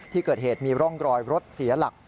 ที่เกิดเหตุมีร่องรอยรถเสียหลัก